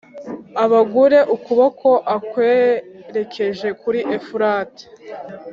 abangure ukuboko akwerekeje kuri Efurati,